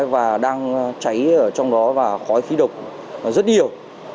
và đang cháy ở trong đó và khói khí độc rất nhiều